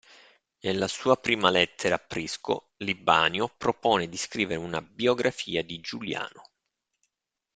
Nella sua prima lettera a Prisco, Libanio propone di scrivere una biografia di Giuliano.